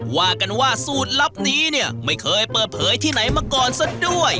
ว่ากันว่าสูตรลับนี้เนี่ยไม่เคยเปิดเผยที่ไหนมาก่อนซะด้วย